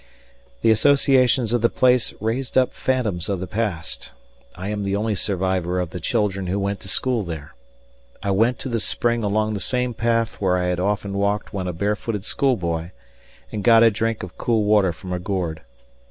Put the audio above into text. The associations of the place raised up phantoms of the past. I am the only survivor of the children who went to school there. I went to the spring along the same path where I had often walked when a barefooted schoolboy and got a drink of cool water from a gourd.